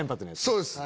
そうです。